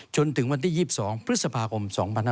จนถึงวันที่๒๒พฤษภาคม๒๕๖๒